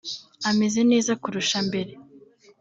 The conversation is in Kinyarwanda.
ameze neza kurusha mbere